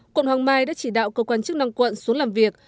quận hoàng mai đã chỉ đạo cơ quan chức năng quận xuống làm việc